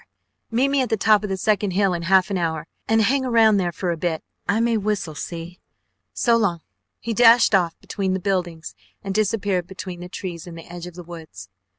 Meet me at the top of the second hill in half an hour, and hang around there for a bit. I may whistle, see? So long." He dashed off between the buildings and disappeared between the trees in the edge of the woods.